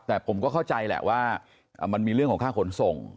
แต่ผมก็เข้าใจแหละว่ามันมีเรื่องของค่าขนส่ง